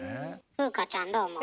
風花ちゃんどう思う？